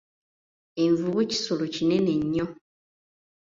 Envubu kisolo kinene nnyo.